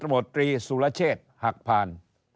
มศุรเชษหักพาน